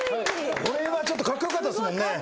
これはちょっとカッコ良かったですもんね。